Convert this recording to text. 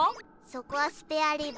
そこはスペアリブ。